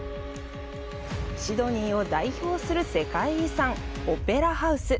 シドニーを代表する世界遺産、オペラハウス。